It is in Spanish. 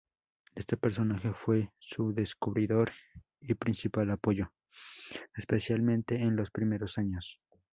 Este personaje fue su descubridor y principal apoyo, especialmente en los primeros años.